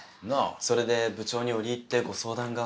それで部長に折り入ってご相談が。